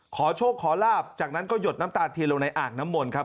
ขอโชคขอลาบจากนั้นก็หยดน้ำตาเทียนลงในอ่างน้ำมนต์ครับ